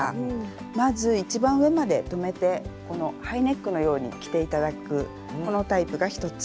まず一番上まで留めてハイネックのように着て頂くこのタイプが１つ。